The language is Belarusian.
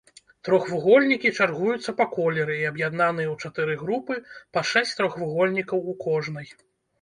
Трохвугольнікі чаргуюцца па колеры і аб'яднаныя ў чатыры групы па шэсць трохвугольнікаў у кожнай.